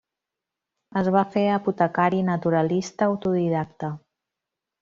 Es va fer apotecari i naturalista autodidacta.